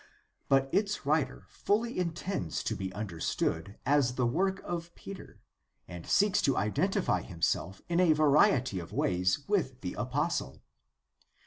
But its writer fully intends it to be understood as the work of Peter and seeks to identify himself in a variety of ways with the apostle.